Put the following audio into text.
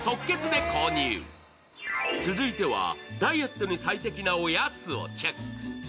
続いてはダイエットに最適なおやつをチェック。